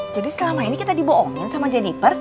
jadi selama ini kita dibohongin sama jennifer